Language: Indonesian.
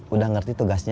udah ngerti tugasnya